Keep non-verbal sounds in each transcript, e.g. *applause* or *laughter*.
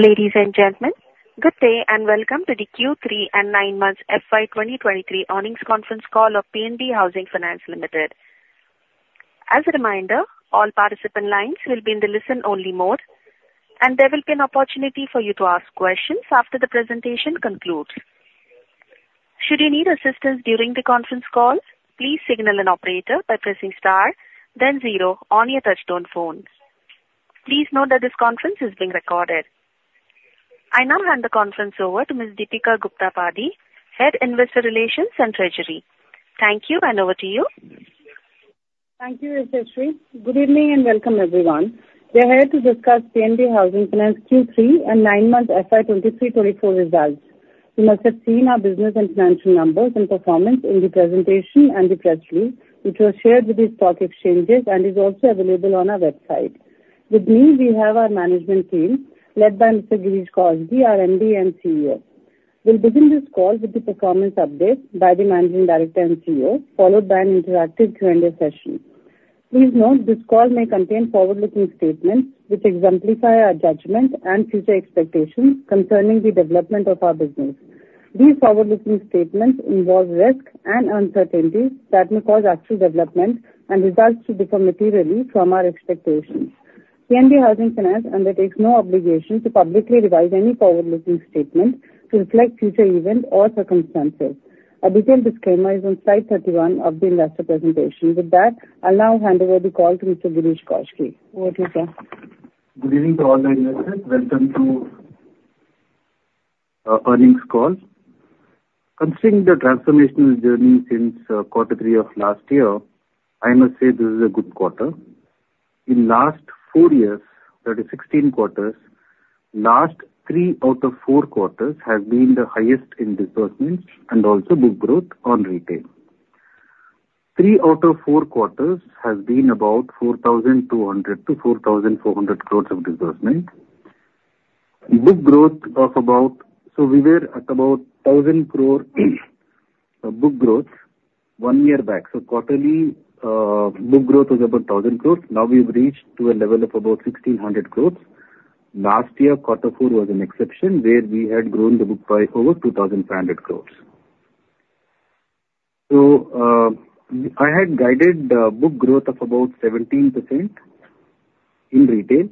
Ladies and gentlemen, good day, and welcome to the Q3 and nine months FY 2023 earnings conference call of PNB Housing Finance Limited. As a reminder, all participant lines will be in the listen-only mode, and there will be an opportunity for you to ask questions after the presentation concludes. Should you need assistance during the conference call, please signal an operator by pressing star then zero on your touchtone phone. Please note that this conference is being recorded. I now hand the conference over to Ms. Deepika Gupta Padhi, Head Investor Relations and Treasury. Thank you, and over to you. Thank you, Yashashri. Good evening, and welcome, everyone. We are here to discuss PNB Housing Finance Q3 and nine-month FY 2023-2024 results. You must have seen our business and financial numbers and performance in the presentation and the press release, which was shared with these stock exchanges and is also available on our website. With me, we have our management team, led by Mr. Girish Kousgi, our MD and CEO. We'll begin this call with the performance update by the Managing Director and CEO, followed by an interactive Q&A session. Please note, this call may contain forward-looking statements which exemplify our judgment and future expectations concerning the development of our business. These forward-looking statements involve risks and uncertainties that may cause actual developments and results to differ materially from our expectations. PNB Housing Finance undertakes no obligation to publicly revise any forward-looking statements to reflect future events or circumstances. A detailed disclaimer is on slide 31 of the investor presentation. With that, I'll now hand over the call to Mr. Girish Kousgi. Over to you, sir. Good evening to all our investors. Welcome to earnings call. Considering the transformational journey since quarter three of last year, I must say this is a good quarter. In last four years, that is 16 quarters, last three out of four quarters have been the highest in disbursements and also book growth on retail. Three out of four quarters has been about 4,200-4,400 crores of disbursement. Book growth of about 1,000 crore one year back. Quarterly book growth was about 1,000 crores. Now we've reached to a level of about 1,600 crores. Last year, quarter four was an exception, where we had grown the book by over 2,500 crores. I had guided the book growth of about 17% in retail.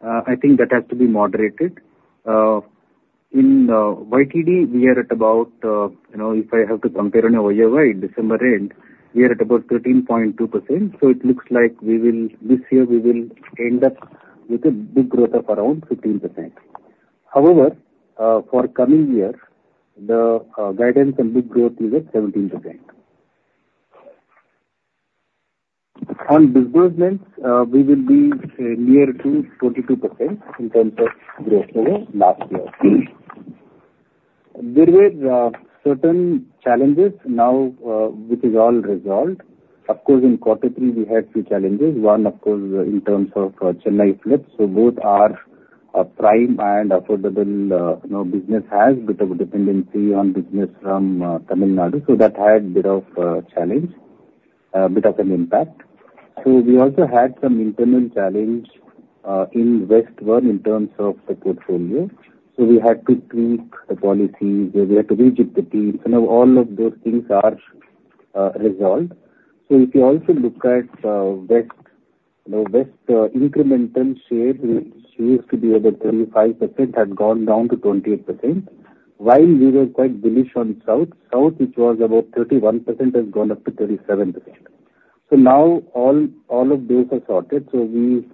I think that has to be moderated. In YTD, we are at about, if I have to compare on a YoY, in December end, we are at about 13.2%, so it looks like we will, this year we will end up with a book growth of around 15%. However, for coming year, the guidance and book growth is at 17%. On disbursements, we will be near to 42% in terms of growth over last year. There were certain challenges now, which is all resolved. Of course, in quarter three we had few challenges. One, of course, in terms of Chennai floods. Both our Prime and affordable, business has bit of dependency on business from Tamil Nadu, so that had a bit of a challenge, bit of an impact. We also had some internal challenge in West 1 in terms of the portfolio, so we had to tweak the policies, we had to rejig the teams, you know, all of those things are resolved. If you also look at West, you know, West incremental share, which used to be about 35%, had gone down to 28%. While we were quite bullish on South. South, which was about 31%, has gone up to 37%. So now, all, all of those are sorted, so we,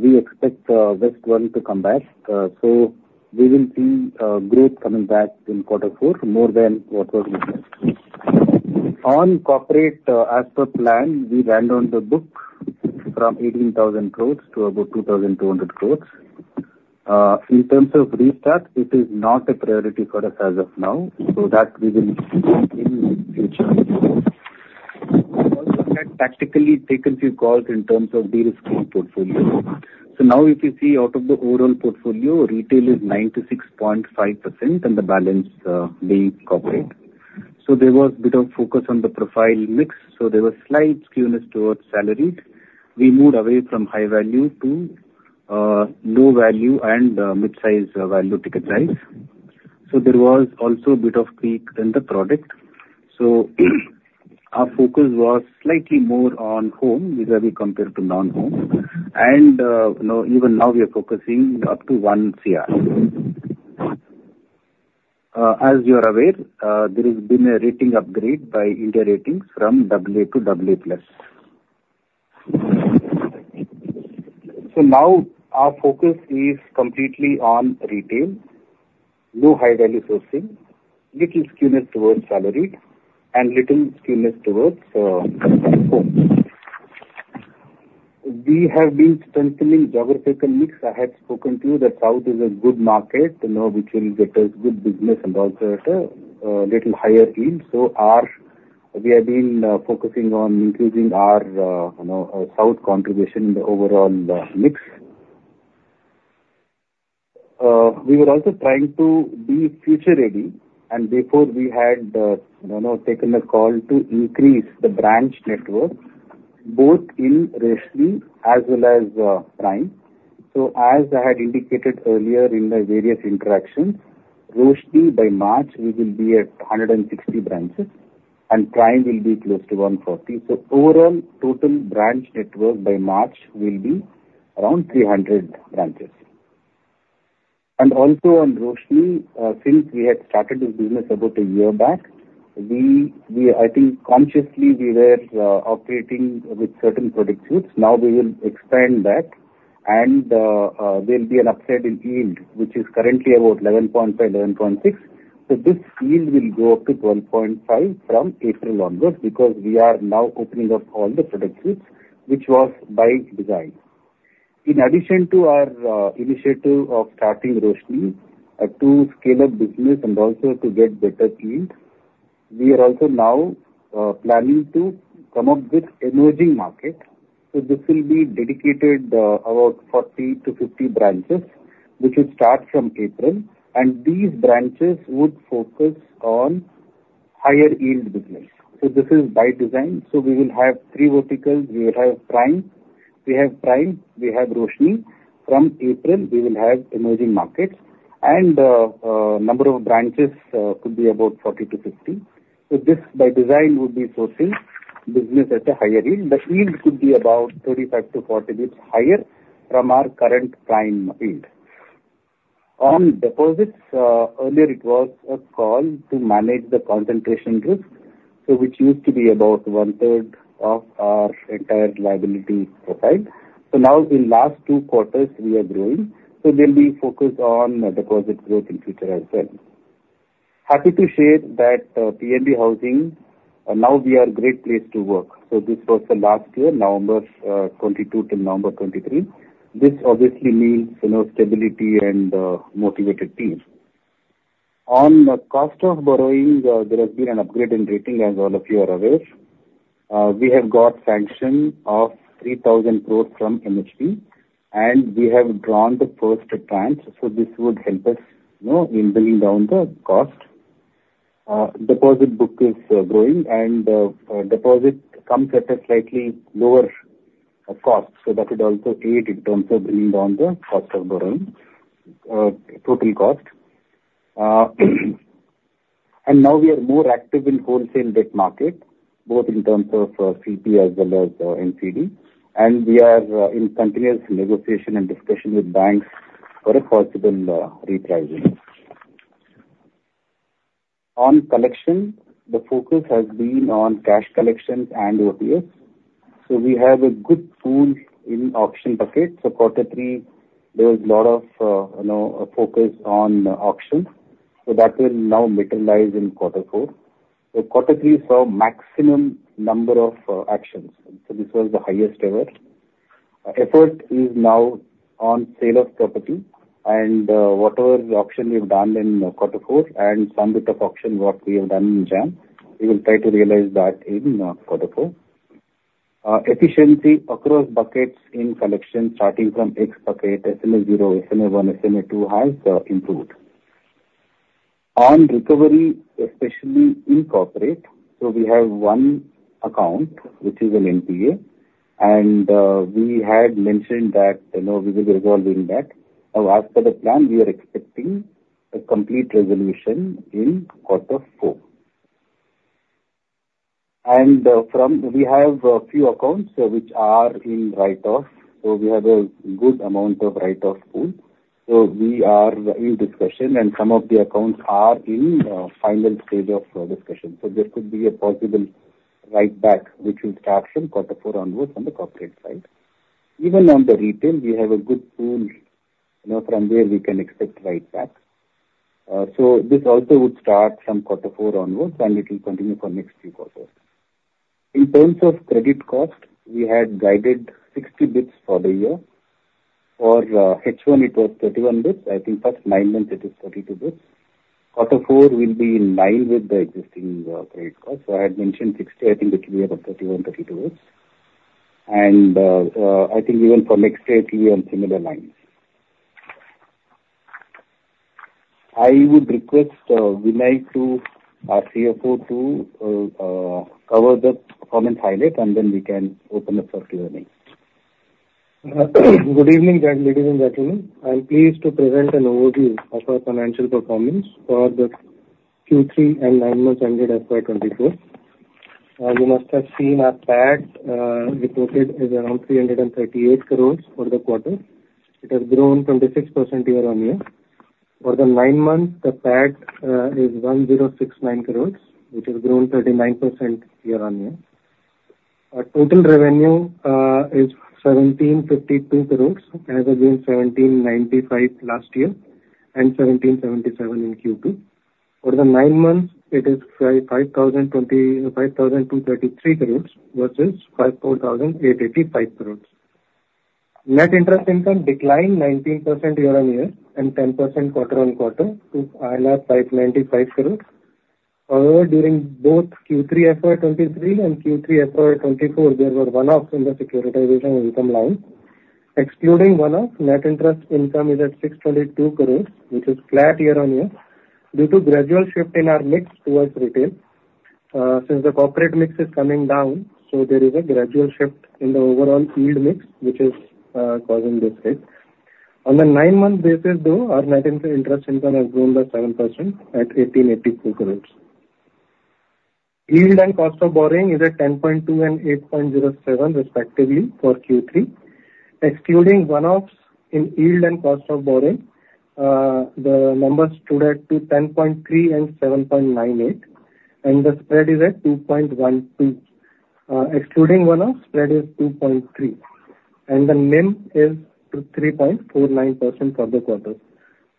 we expect West 1 to come back. We will see growth coming back in quarter four, more than what was expected. On corporate, as per plan, we wound down the book from 18,000 crore to about 2,200 crore. In terms of restart, it is not a priority for us as of now, so that we will see in future. We also had tactically taken few calls in terms of de-risking portfolio. Now if you see out of the overall portfolio, retail is 96.5%, and the balance being corporate. There was a bit of focus on the profile mix, so there was slight skewness towards salaried. We moved away from high value to low value and mid-size value ticket size. There was also a bit of tweak in the product. Our focus was slightly more on home vis-a-vis compared to non-home. And, even now we are focusing up to 1 crore. As you are aware, there has been a rating upgrade by India Ratings from AA to AA+. Now our focus is completely on retail, no high-value sourcing, little skewness towards salaried, and little skewness towards home. We have been strengthening geographical mix. I had spoken to you that South is a good market, you know, which will get us good business and also at a little higher yield. We have been focusing on increasing our, you know, South contribution in the overall mix. We were also trying to be future-ready, and before we had, you know, taken a call to increase the branch network. Both in Roshni as well as, Prime. As I had indicated earlier in the various interactions, Roshni, by March, we will be at 160 branches, and Prime will be close to 140. So overall, total branch network by March will be around 300 branches. Also on Roshni, since we had started this business about a year back, we, I think consciously we were, operating with certain product suites. Now we will expand that, and, there will be an upside in yield, which is currently about 11.5%-11.6%. So this yield will go up to 12.5% from April onwards, because we are now opening up all the product suites, which was by design. In addition to our initiative of starting Roshni to scale up business and also to get better yields, we are also now planning to come up with Emerging Markets. This will be dedicated about 40-50 branches, which will start from April, and these branches would focus on higher-yield business. This is by design. We will have three verticals. We will have Prime, we have Prime, we have Roshni. From April, we will have Emerging Markets, and number of branches could be about 40-50. This, by design, would be focusing business at a higher yield. The yield could be about 35-40 bps higher from our current Prime yield. On deposits, earlier it was a call to manage the concentration risk, so which used to be about 1/3 of our entire liability profile. Now, in last two quarters, we are growing, so we'll be focused on deposit growth in future as well. Happy to share that, PNB Housing, now we are a great place to work, so this was the last year, November 22 to November 23. This obviously means, you know, stability and motivated teams. On the cost of borrowing, there has been an upgrade in rating, as all of you are aware. We have got sanction of 3,000 crore from NHB, and we have drawn the first tranche, so this would help us, in bringing down the cost. Deposit book is growing, and deposit comes at a slightly lower cost, so that would also aid in terms of bringing down the cost of borrowing, total cost. Now we are more active in wholesale debt market, both in terms of CP as well as NCD, and we are in continuous negotiation and discussion with banks for a possible repricing. On collection, the focus has been on cash collections and OTS. We have a good pool in auction bucket. So quarter three, there was a lot of, you know, focus on auctions, so that will now materialize in quarter four. So quarter three saw maximum number of auctions, so this was the highest ever. Effort is now on sale of property and, whatever the auction we've done in quarter four and some bit of auction what we have done in January, we will try to realize that in quarter four. Efficiency across buckets in collection, starting from X bucket, SMA 0, SMA 1, SMA 2, has improved. On recovery, especially in corporate, so we have one account, which is an NPA, and we had mentioned that, you know, we will resolve in that. As per the plan, we are expecting a complete resolution in quarter four. We have a few accounts which are in write-off, so we have a good amount of write-off pool. We are in discussion, and some of the accounts are in final stage of discussion. There could be a possible write-back, which will start from quarter four onwards on the corporate side. Even on the retail, we have a good pool, you know, from where we can expect write-backs. This also would start from quarter four onwards, and it will continue for next few quarters. In terms of credit cost, we had guided 60 bps for the year. For H1, it was 31 bps. I think first nine months, it is 32 bps. Quarter four will be in line with the existing credit cost. So I had mentioned 60, I think it will be about 31-32 bps. I think even for next year, it will be on similar lines. I would request Vinay, our CFO, to cover the performance highlight, and then we can open up for Q&A. Good evening, ladies and gentlemen. I'm pleased to present an overview of our financial performance for the Q3 and nine months ended FY 2024. You must have seen our PAT reported is around 338 crore for the quarter. It has grown 26% year-on-year. For the nine months, the PAT is 1,069 crore, which has grown 39% year-on-year. Our total revenue is 1,752 crore, as against 1,795 crore last year and 1,777 crore in Q2. For the nine months, it is 5,233 crores versus 5,485 crores. Net interest income declined 19% year-on-year and 10% quarter-on-quarter to 595 crore. However, during both Q3 FY 2023 and Q3 FY 2024, there were one-offs in the securitization income line, excluding one-off, net interest income is at 622 crore, which is flat year-on-year, due to gradual shift in our mix towards retail. Since the corporate mix is coming down, so there is a gradual shift in the overall yield mix, which is, causing this rate. On the nine month basis, though, our net interest income has grown by 7% at 1,882 crore. Yield and cost of borrowing is at 10.2% and 8.07% respectively for Q3. Excluding one-offs in yield and cost of borrowing, the numbers stood at to 10.3% and 7.98%, and the spread is at 2.12%. Excluding one-off, spread is 2.3%, and the NIM is 2.349% for the quarter.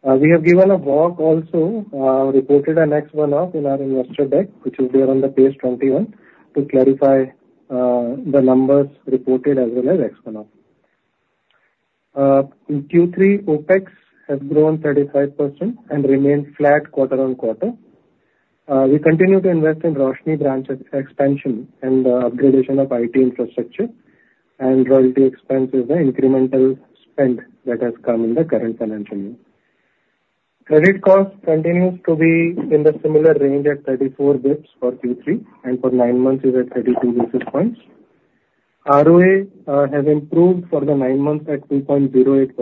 We have given a walk also, reported our net one-off in our investor deck, which will be on the page 21, to clarify, the numbers reported as well as ex one-off. In Q3, OpEx has grown 35% and remained flat quarter-on-quarter. We continue to invest in Roshni branch expansion and the upgradation of IT infrastructure, and royalty expense is the incremental spend that has come in the current financial year. Credit cost continues to be in the similar range at 34 bps for Q3, and for nine months is at 32 basis points. ROA has improved for the nine months at 2.08%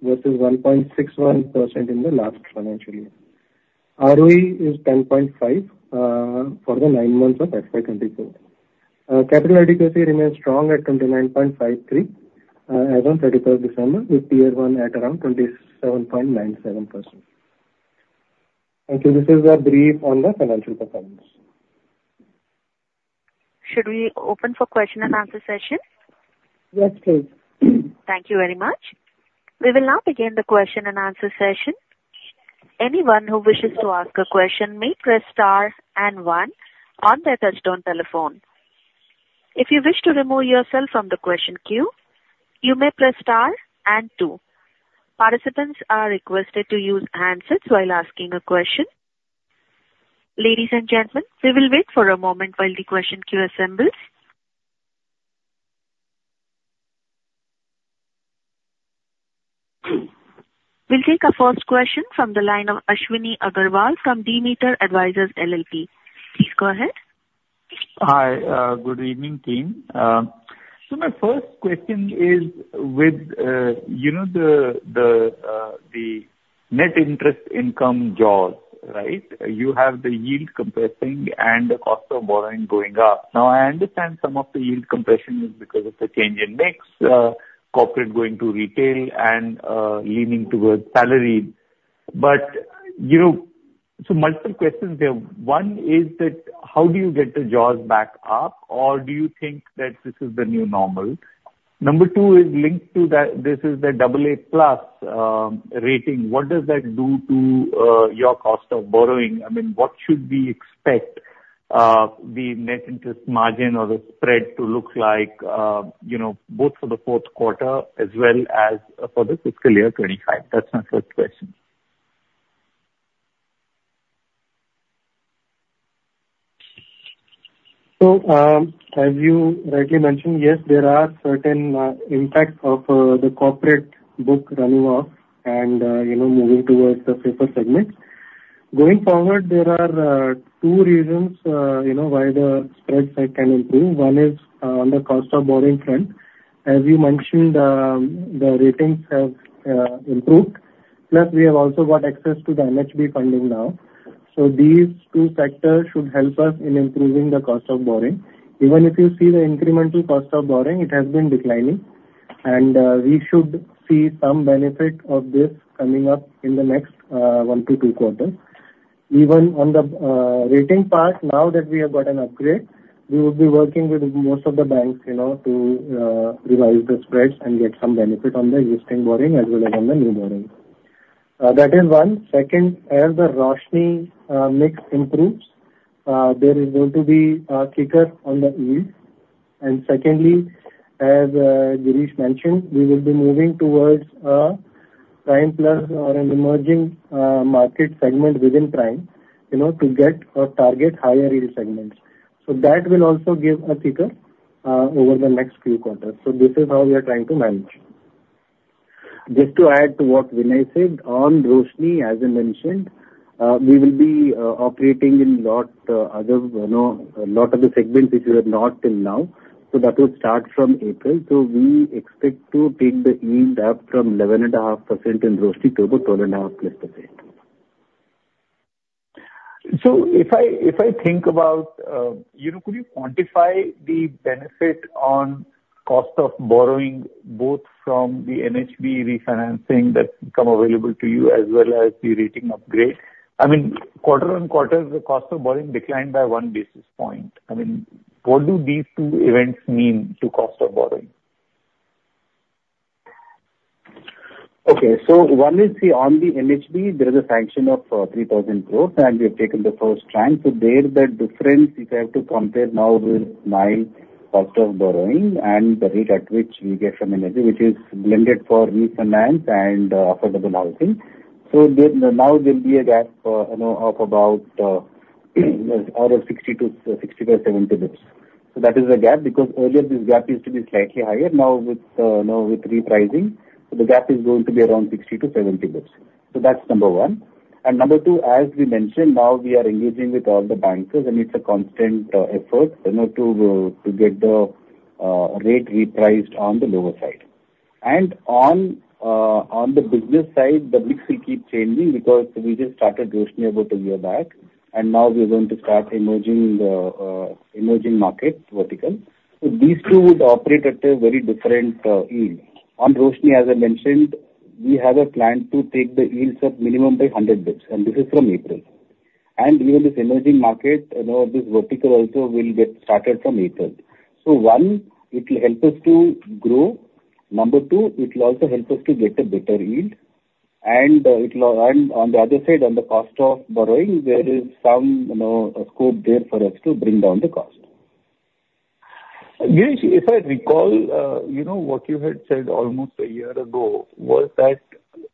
versus 1.61% in the last financial year. ROE is 10.5% for the nine months of FY 2024. Capital adequacy remains strong at 29.53%, as on 31st December, with Tier 1 at around 27.97%. Thank you. This is a brief on the financial performance. Should we open for question and answer session? Yes, please. Thank you very much. We will now begin the question and answer session. Anyone who wishes to ask a question may press star and one on their touchtone telephone. If you wish to remove yourself from the question queue, you may press star and two. Participants are requested to use handsets while asking a question. Ladies and gentlemen, we will wait for a moment while the question queue assembles. We'll take our first question from the line of Ashwini Agarwal from Demeter Advisors LLP. Please go ahead. Hi, good evening team. So my first question is with, you know, the Net Interest Income jaws, right? You have the yield compressing and the cost of borrowing going up. Now, I understand some of the yield compression is because of the change in mix, corporate going to retail and, leaning towards salary. But, you know, so multiple questions there. One is that, how do you get the jaws back up, or do you think that this is the new normal? Number two is linked to the, this is the AA+ rating. What does that do to, your cost of borrowing? I mean, what should we expect, the Net Interest Margin or the spread to look like, you know, both for the fourth quarter as well as for the fiscal year 2025? That's my first question. As you rightly mentioned, yes, there are certain impacts of the corporate book running off and, you know, moving towards the safer segments. Going forward, there are two reasons, why the spreads side can improve. One is on the cost of borrowing front. As you mentioned, the ratings have improved, plus we have also got access to the NHB funding now. So these two factors should help us in improving the cost of borrowing. Even if you see the incremental cost of borrowing, it has been declining, and we should see some benefit of this coming up in the next one-two quarters. Even on the rating part, now that we have got an upgrade, we will be working with most of the banks, you know, to revise the spreads and get some benefit on the existing borrowing as well as on the new borrowing. That is one. Second, as the Roshni mix improves, there is going to be a kicker on the yield. Secondly, as Girish mentioned, we will be moving towards Prime Plus or an Emerging Market segment within prime, you know, to get or target higher yield segments. That will also give a kicker over the next few quarters. This is how we are trying to manage. Just to add to what Vinay said, on Roshni, as I mentioned, we will be operating in lot other, you know, a lot of the segments which we have not till now. That will start from April. So we expect to take the yield up from 11.5% in Roshni to about 12.5%+. If I, if I think about, you know, could you quantify the benefit on cost of borrowing, both from the NHB refinancing that become available to you, as well as the rating upgrade? I mean, quarter-on-quarter, the cost of borrowing declined by one basis point. I mean, what do these two events mean to cost of borrowing? Okay. So one is the, on the NHB, there is a sanction of 3,000 crore, and we have taken the first tranche. So there the difference, if I have to compare now with my cost of borrowing and the rate at which we get some energy, which is blended for refinance and affordable housing. So there, now there will be a gap, you know, of about. Out of 60-70 bps. So that is the gap, because earlier this gap used to be slightly higher. Now with repricing, the gap is going to be around 60-70 bps. That's number one. Number two, as we mentioned, now we are engaging with all the bankers, and it's a constant effort, you know, to get the rate repriced on the lower side. On the business side, the mix will keep changing because we just started Roshni about a year back, and now we are going to start the Emerging Markets vertical. These two would operate at a very different yield. On Roshni, as I mentioned, we have a plan to take the yields up minimum by 100 bps, and this is from April. Even this Emerging Market, you know, this vertical also will get started from April. So one, it will help us to grow. Number two, it will also help us to get a better yield, and, on the other side, on the cost of borrowing, there is some, you know, scope there for us to bring down the cost. Girish, if I recall, you know, what you had said almost a year ago, was that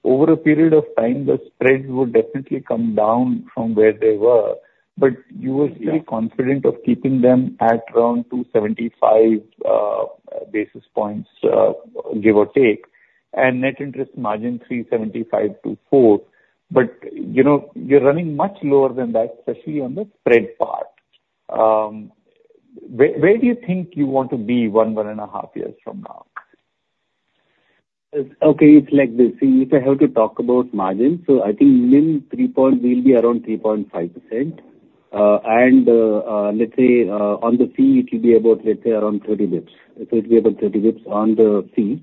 over a period of time, the spreads would definitely come down from where they were, but you were Very confident of keeping them at around 275 basis points, give or take, and net interest margin, 3.75%-4%. But, you know, you're running much lower than that, especially on the spread part. Where do you think you want to be one and one in a half years from now? Okay, it's like this. See, if I have to talk about margins, so I think NIM, 3.5%-- we'll be around 3.5%. And, let's say, on the fee, it will be about, let's say, around 30 bps. It will be about 30 bps on the fee.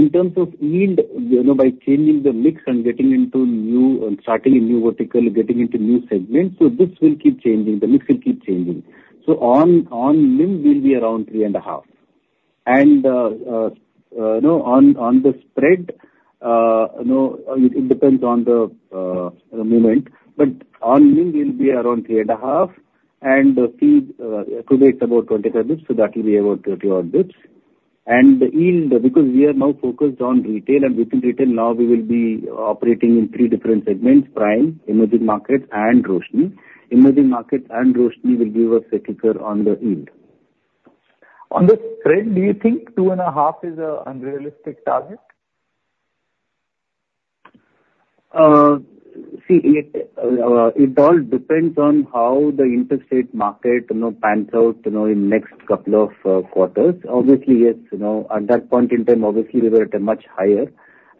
In terms of yield, you know, by changing the mix and getting into new, and starting a new vertical, getting into new segments, so this will keep changing. The mix will keep changing. So on, on NIM, we'll be around 3.5%. On the spread, you know, it, it depends on the, movement, but on NIM it will be around 3.5%, and the fee, today it's about 25 basis points, so that will be about 30-odd bps. The yield, because we are now focused on retail, and within retail now we will be operating in three different segments: Prime, Emerging Markets, and Roshni. Emerging Markets and Roshni will give us a kicker on the yield. On the spread, do you think 2.5% is an unrealistic target? See, it all depends on how the interest rate market, you know, pans out, you know, in next couple of quarters. Obviously, yes, you know, at that point in time, obviously we were at a much higher,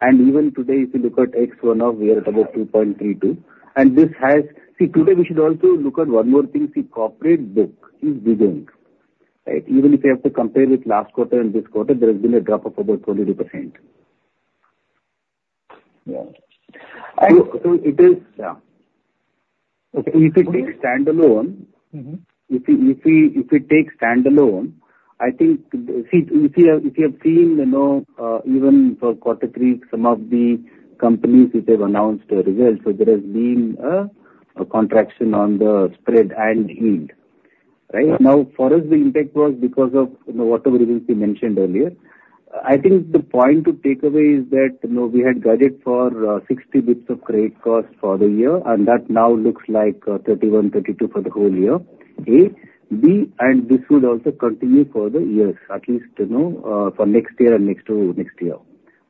and even today, if you look at ex one-off, we are about 2.32%. See, today we should also look at one more thing. See, corporate book is dwindling, right? Even if you have to compare with last quarter and this quarter, there has been a drop of about 22%. Okay. If you take standalone If you take standalone, I think, see, if you have seen, you know, even for quarter three, some of the companies which have announced their results, so there has been a contraction on the spread and yield, right? Now, for us, the impact was because of, you know, whatever it is we mentioned earlier. I think the point to take away is that, you know, we had guided for 60 bps of credit cost for the year, and that now looks like 31, 32 for the whole year and beyond, and this would also continue for the years, at least, you know, for next year and next to next year.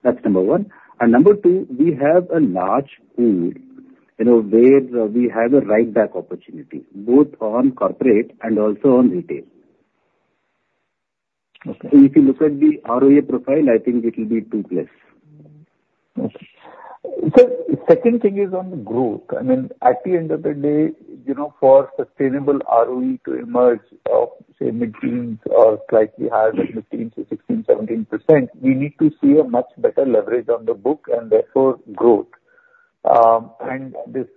That's number one. Number two, we have a large pool, you know, where we have a write-back opportunity, both on corporate and also on retail. Okay. If you look at the ROE profile, I think it will be 2+. Okay. Second thing is on the growth. I mean, at the end of the day, you know, for sustainable ROE to emerge of, say, mid-teens or slightly higher than mid-teens to 16%-17%, we need to see a much better leverage on the book and therefore growth. This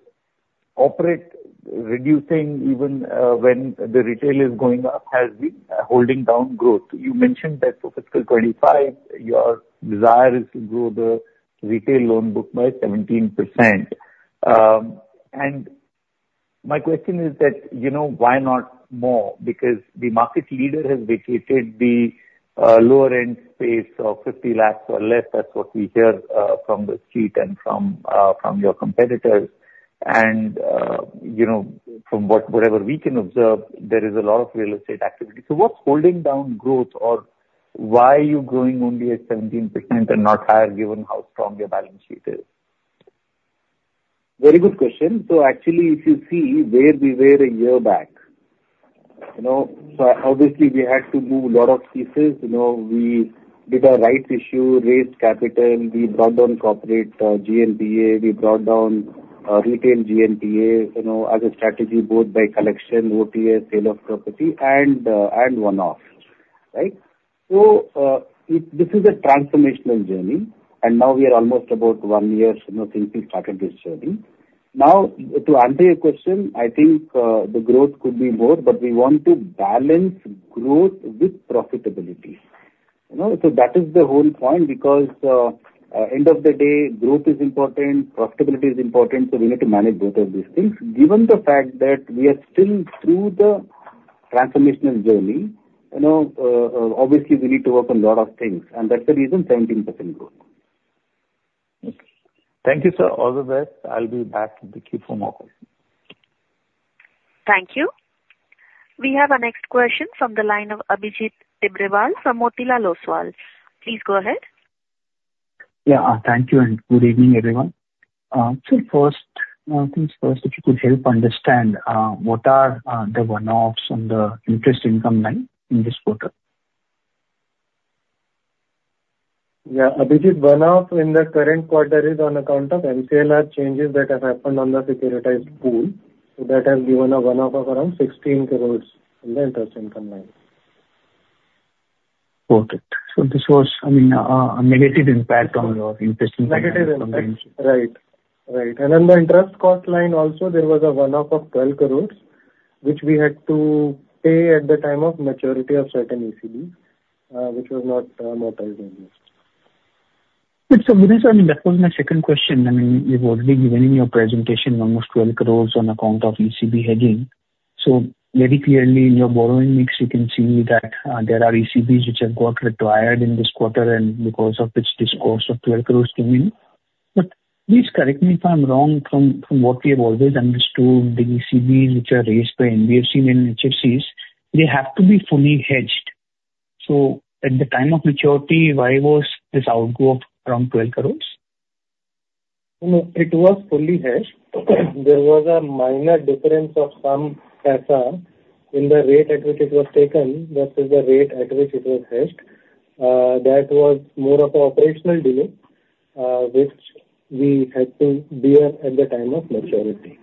corporate reducing even, when the retail is going up, has been holding down growth. You mentioned that for fiscal 2025, your desire is to grow the retail loan book by 17%. My question is that, you know, why not more? Because the market leader has vacated the lower-end space of 50 lakhs or less. That's what we hear from the street and from your competitors. From whatever we can observe, there is a lot of real estate activity. What's holding down growth, or why are you growing only at 17% and not higher, given how strong your balance sheet is? Very good question. Actually, if you see where we were a year back, so obviously we had to move a lot of pieces. You know, we did a rights issue, raised capital, we brought down corporate, GNPA, we brought down, retail GNPA, you know, as a strategy, both by collection, OTS, sale of property and, and one-off, right? So, it, this is a transformational journey, and now we are almost about one year, you know, since we started this journey. Now, to answer your question, I think, the growth could be more, but we want to balance growth with profitability. So that is the whole point, because, end of the day, growth is important, profitability is important, so we need to manage both of these things. Given the fact that we are still through the transformational journey, you know, obviously we need to work on a lot of things, and that's the reason 17% growth. Thank you, sir. All the best. I'll be back to the queue for more questions. Thank you. We have our next question from the line of Abhijit Tibrewal from Motilal Oswal. Please go ahead. Thank you, and good evening, everyone. So first, things first, if you could help understand, what are the one-offs on the interest income line in this quarter? Abhijit, one-off in the current quarter is on account of MCLR changes that have happened on the securitized pool. So that has given a one-off of around 16 crore in the interest income line. Got it. So this was, I mean, a negative impact on your interest income? Negative impact. Right. Right. On the interest cost line also, there was a one-off of 12 crore, which we had to pay at the time of maturity of certain ECB, which was not amortized in this. Good. So, Vinay, I mean, that was my second question. I mean, you've already given in your presentation number of 12 crore on account of ECB hedging. So very clearly in your borrowing mix, you can see that, there are ECBs which have got retired in this quarter, and because of this, this cost of 12 crore came in. Please correct me if I'm wrong, from, from what we have always understood, the ECBs which are raised by NBFC and HFCs, they have to be fully hedged. So at the time of maturity, why was this outflow of around 12 crore? No, it was fully hedged. There was a minor difference of some paisa in the rate at which it was taken versus the rate at which it was hedged. That was more of an operational delay, which we had to bear at the time of maturity.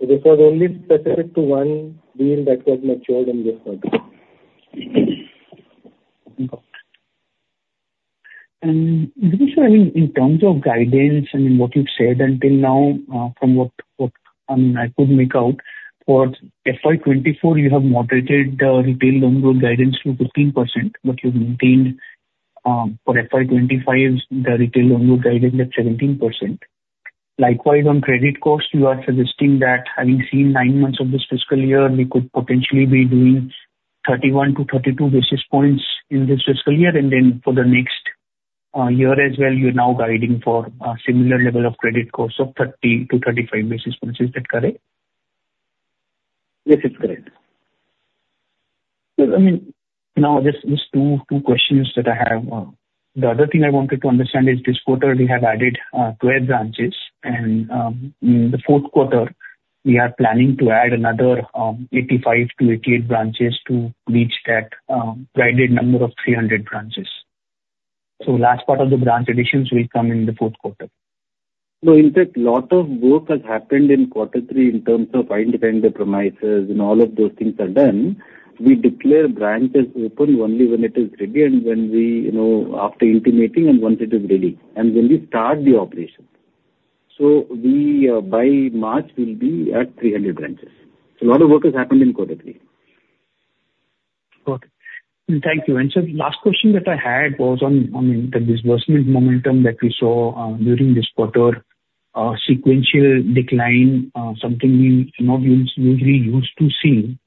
This was only specific to one deal that got matured in this quarter. I mean, in terms of guidance and, I mean, what you've said until now, from what I could make out, for FY 2024, you have moderated the retail loan growth guidance to 15%, but you've maintained, for FY 2025, the retail loan growth guidance at 17%. Likewise, on credit costs, you are suggesting that having seen nine months of this fiscal year, we could potentially be doing 31-32 basis points in this fiscal year. Then for the next year as well, you're now guiding for a similar level of credit costs of 30-35 basis points. Is that correct? Yes, it's correct. Good. I mean, now there's these two questions that I have. The other thing I wanted to understand is this quarter, we have added 12 branches, and in the fourth quarter, we are planning to add another 85-88 branches to reach that guided number of 300 branches. So last part of the branch additions will come in the fourth quarter? No, in fact, lot of work has happened in quarter three in terms of identifying the premises and all of those things are done. We declare branches open only when it is ready and when we, you know, after intimating and once it is ready, and when we start the operation. By March, will be at 300 branches. So a lot of work has happened in quarter three. Got it. Thank you. And so the last question that I had was on the disbursement momentum that we saw during this quarter, sequential decline, something we, you know, we usually used to see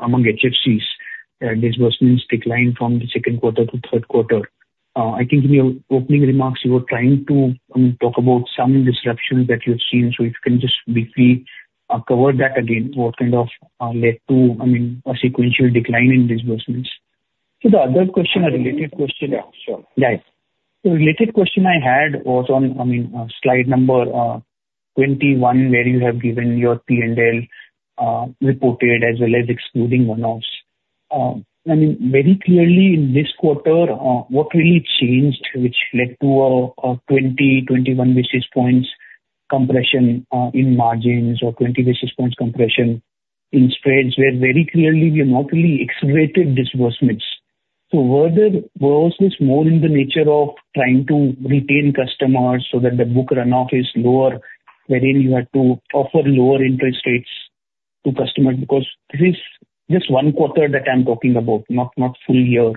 among HFCs, disbursements decline from the second quarter to third quarter. I think in your opening remarks, you were trying to talk about some disruptions that you've seen. If you can just briefly cover that again, what kind of led to, I mean, a sequential decline in disbursements? The other question, a related question. sure. The related question I had was on, I mean, on slide number 21, where you have given your P&L, reported as well as excluding one-offs. I mean, very clearly in this quarter, what really changed which led to a 20-21 basis points compression in margins or 20 basis points compression in spreads, where very clearly we have not really accelerated disbursements. Were there, was this more in the nature of trying to retain customers so that the book run-off is lower, wherein you had to offer lower interest rates to customers? Because this is just one quarter that I'm talking about, not full year.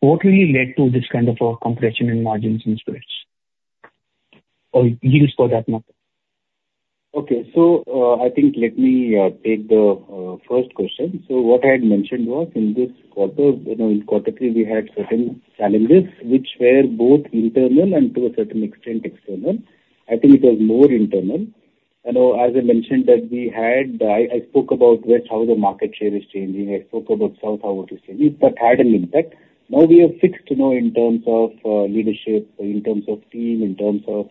What really led to this kind of a compression in margins and spreads, or yields for that matter? Okay. So, I think let me take the first question. What I had mentioned was in this quarter, you know, in quarter three, we had certain challenges which were both internal and to a certain extent, external. I think it was more internal. I know, as I mentioned, that we had I, I spoke about West, how the market share is changing. I spoke about South, how it is changing. That had an impact. Now we are fixed, you know, in terms of leadership, in terms of team, in terms of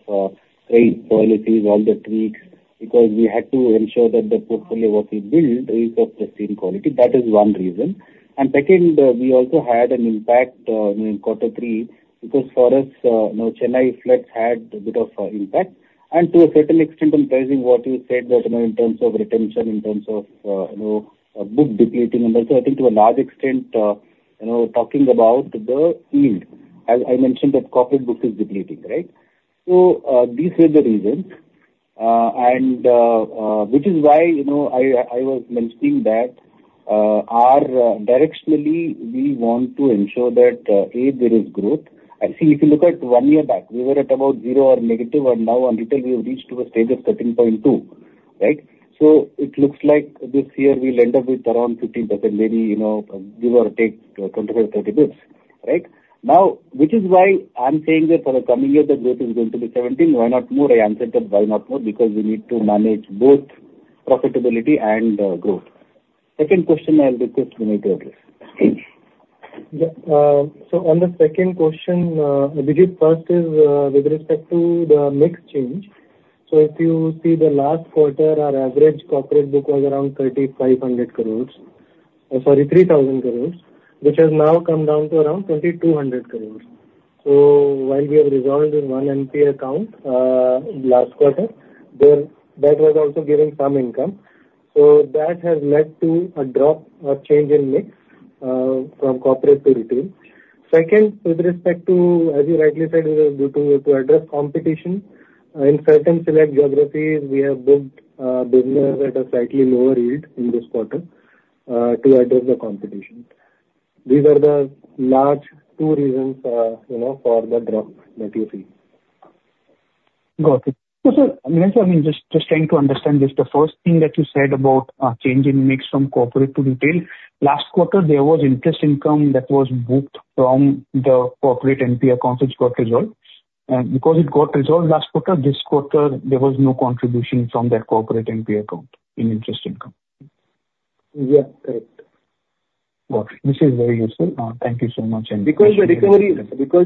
credit qualities, all the tweaks, because we had to ensure that the portfolio what we build is of the same quality. That is one reason. Second, we also had an impact in quarter three, because for us, you know, Chennai floods had a bit of impact, and to a certain extent, emphasizing what you said that, you know, in terms of retention, in terms of, book depleting, and also, I think to a large extent, you know, talking about the yield. As I mentioned, that corporate book is depleting, right? So, these are the reasons, and which is why, I was mentioning that, our directionally, we want to ensure that, A, there is growth. And see, if you look at one year back, we were at about zero or negative, and now on retail, we have reached to a stage of 13.2%. Right? It looks like this year we'll end up with around 15%, maybe, you know, give or take, 25-30 bps, right? Now, which is why I'm saying that for the coming year, the growth is going to be 17%. Why not more? I answered that why not more, because we need to manage both profitability and growth. Second question, I'll request Vinay to address. Please. On the second question, Vinay, first is, with respect to the mix change. If you see the last quarter, our average corporate book was around 3,500 crores, or sorry, 3,000 crores, which has now come down to around 2,200 crores. While we have resolved in one NPA account, last quarter, then that was also giving some income. That has led to a drop or change in mix, from corporate to retail. Second, with respect to, as you rightly said, due to, to address competition, in certain select geographies, we have built, business at a slightly lower yield in this quarter, to address the competition. These are the large two reasons, you know, for the drop that you see. Got it. Sir, I mean, I'm just trying to understand this. The first thing that you said about change in mix from corporate to retail. Last quarter, there was interest income that was booked from the corporate NPA accounts, which got resolved. Because it got resolved last quarter, this quarter there was no contribution from that corporate NPA account in interest income? Yeah, correct. Got it. This is very useful. Thank you so much and. Because the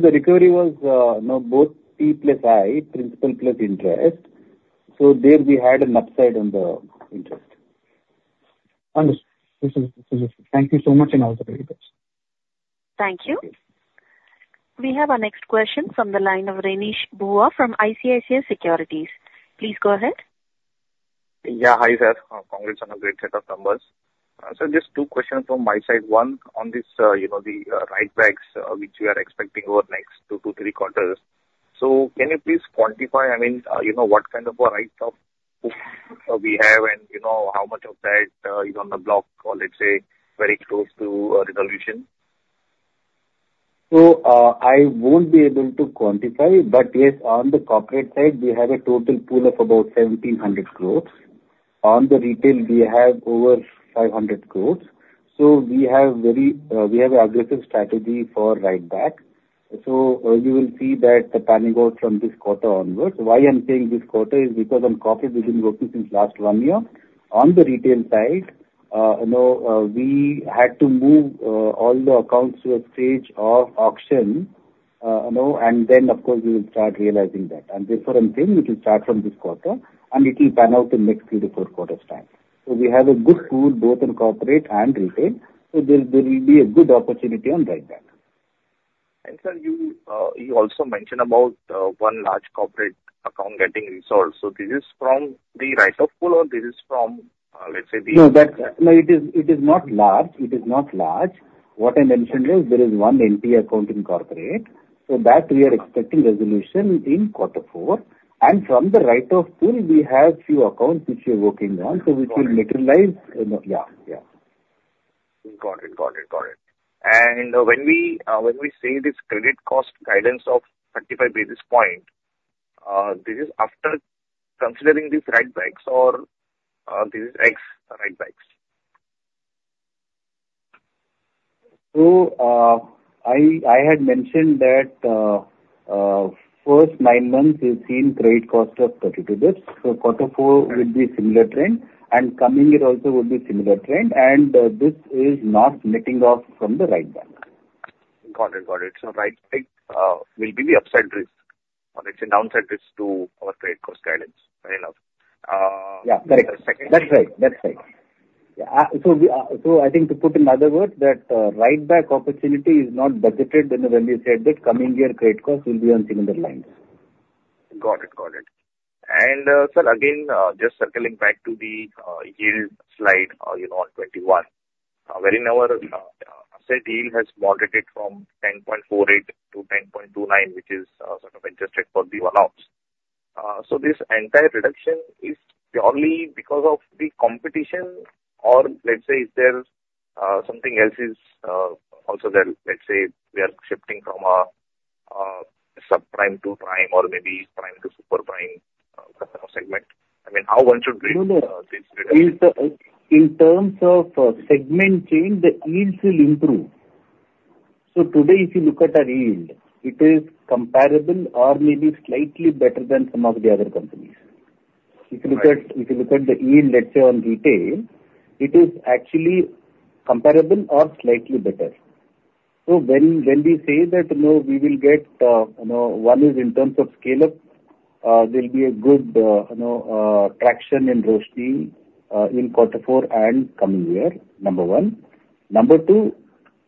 recovery was, you know, both P plus I, principal plus interest, so there we had an upside on the interest. Understood. Thank you so much, and also very good. Thank you. We have our next question from the line of Renish Bhuva from ICICI Securities. Please go ahead. Hi, there. Congrats on a great set of numbers. Just two questions from my side. One, on this, you know, the, write-backs, which you are expecting over the next two to three quarters. So can you please quantify, I mean, you know, what kind of a write-off we have and, how much of that, is on the block or let's say, very close to, resolution? I won't be able to quantify, but yes, on the corporate side, we have a total pool of about 1,700 crores. On the retail, we have over 500 crores. We have very, we have an aggressive strategy for write-back, so, you will see that panning out from this quarter onwards. Why I'm saying this quarter is because on corporate, we've been working since last one year. On the retail side, you know, we had to move, all the accounts to a stage of auction, you know, and then, of course, we will start realizing that. Therefore, I'm saying it will start from this quarter, and it will pan out in next three-four quarters' time. We have a good pool, both in corporate and retail, so there will be a good opportunity on write-back. Sir, you also mentioned about one large corporate account getting resolved. So this is from the write-off pool, or this is from, let's say, the? No, it is not large. It is not large. What I mentioned is there is one NPA account in corporate, so that we are expecting resolution in quarter four. From the write-off pool, we have few accounts which we are working on, so which will materialize. Got it. Got it, got it. When we, when we say this credit cost guidance of 35 basis point, this is after considering these write backs or, this is ex the write backs? I had mentioned that, first nine months, we've seen credit cost of 32 bps. Quarter four will be similar trend, and coming year also would be similar trend, and, this is not letting off from the write-back. Got it, got it. So write-back will be the upside risk, or let's say downside risk to our credit cost guidance. Fair enough. Yeah, correct. Second. That's right, that's right. I think to put in other words, that write back opportunity is not budgeted when we said that coming year, credit cost will be on similar lines. Got it, got it. Sir, again, just circling back to the yield slide, you know, on 21. Wherein our said yield has moderated from 10.48% to 10.29%, which is sort of adjusted for the one-offs. This entire reduction is purely because of the competition, or let's say, if there's something else also there. Let's say we are shifting from a sub-prime to prime or maybe prime to super prime segment. I mean, how one should read this reduction? No, no. In, in terms of, segment change, the yields will improve. So today, if you look at our yield, it is comparable or maybe slightly better than some of the other companies. Right. If you look at the yield, let's say on retail, it is actually comparable or slightly better. When we say that, you know, we will get, one is in terms of scale-up, there'll be a good, traction in Roshni, in quarter four and coming year, number one. Number two,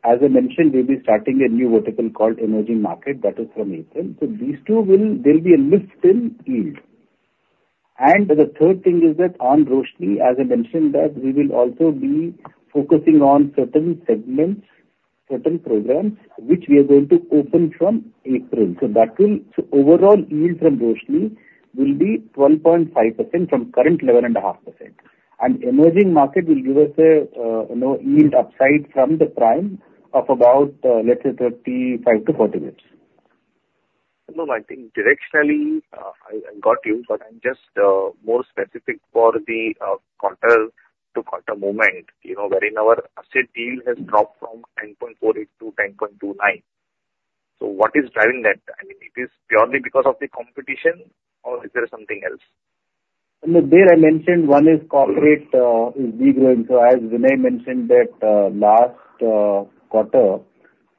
as I mentioned, we'll be starting a new vertical called Emerging Market. That is from April. So these two will. There'll be a lift in yield. The third thing is that on Roshni, as I mentioned, that we will also be focusing on certain segments, certain programs, which we are going to open from April. So that will. Overall yield from Roshni will be 12.5% from current 11.5%. Emerging Markets will give us a, yield upside from the Prime of about, let's say, 35-40 bps. I think directionally, I got you, but I'm just more specific for the quarter-to-quarter moment, you know, wherein our asset yield has dropped from 9.48% to 10.29%. So what is driving that? I mean, it is purely because of the competition, or is there something else? No, there I mentioned one is corporate is de-growing. As Vinay mentioned that, last quarter,